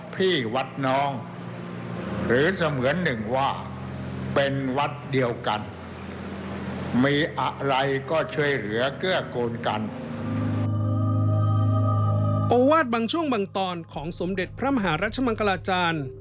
เพราะว่าบางช่วงบางตอนของสมเด็จพระมหารัชมังกลาจารย์